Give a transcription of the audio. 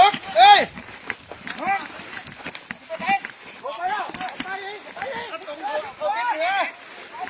โปรดให้เข้ามาเว้ยไข่กำลังหนีตะแรงโปรดโปรดครับโปรดครับเนี่ยโปรด